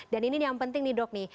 dan ini yang penting nih dok nih